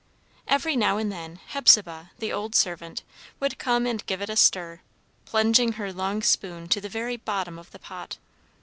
Every now and then Hepzibah, the old servant, would come and give it a stir, plunging her long spoon to the very bottom of the pot.